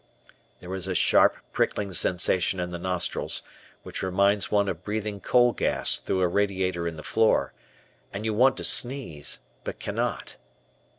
There is a sharp, prickling sensation in the nostrils, which reminds one of breathing coal gas through a radiator in the floor, and you want to sneeze, but cannot.